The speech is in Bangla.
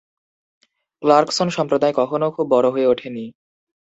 ক্লার্কসন সম্প্রদায় কখনও খুব বড় হয়ে ওঠেনি।